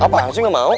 apaan sih gak mau